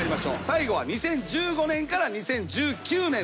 最後は２０１５年から２０１９年です。